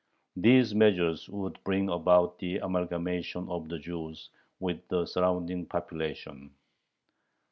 These measures would bring about the amalgamation of the Jews with the surrounding population.